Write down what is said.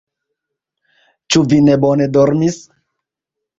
Ĉu vi ne bone dormis?